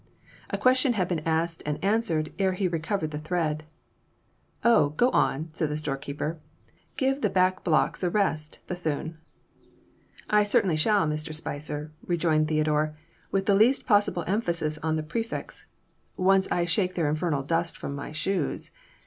A question had been asked and answered ere he recovered the thread. "Oh, go on," said the storekeeper. "Give the back blocks a rest, Bethune!" "I certainly shall, Mr. Spicer," rejoined Theodore, with the least possible emphasis on the prefix, "once I shake their infernal dust from my shoes.